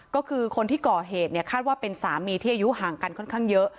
ก็คือคนที่ก่อเหตุเนี่ยคาดว่าเป็นสามีที่อายุห่างกันค่อนข้างเยอะ